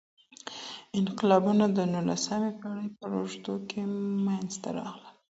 انقلابونه د نولسمې پیړۍ په اوږدو کي منځته راغلل.